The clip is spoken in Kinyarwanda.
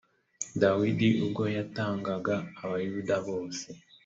dawidi ubwo yatangaga abayuda bose